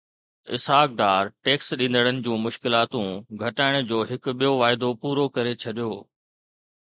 Ishaq Dar tax ڏيندڙن جون مشڪلاتون گهٽائڻ جو هڪ ٻيو واعدو پورو ڪري ڇڏيو